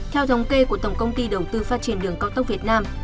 theo thống kê của tổng công ty đầu tư phát triển đường cao tốc việt nam